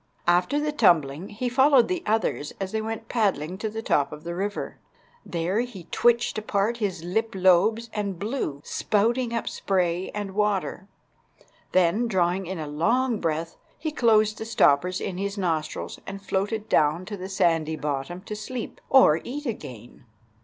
After the tumbling he followed the others as they went paddling to the top of the river. There he twitched apart his lip lobes and blew, spouting up spray and water. Then, drawing in a long breath, he closed the stoppers in his nostrils and floated down to the sandy bottom to sleep or eat again.